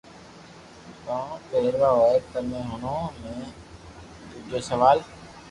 ڪون پيروا ھوئي تمي ھڻَو ھين ٻآجو سوال